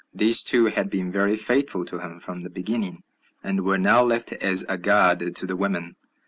These two had been very faithful to him from the beginning, and were now left as a guard to the women.